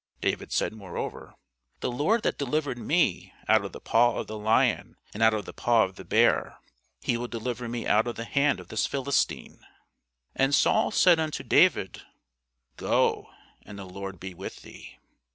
David said moreover, The Lord that delivered me out of the paw of the lion, and out of the paw of the bear, he will deliver me out of the hand of this Philistine. And Saul said unto David, Go, and the Lord be with thee.